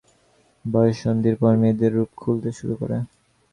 বয়ঃসন্ধির পর মেয়েদের রূপ খুলতে শুরু করে।